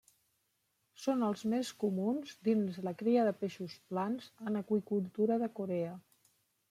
Són els més comuns dins la cria de peixos plans en aqüicultura de Corea.